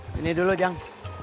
sini dulu jang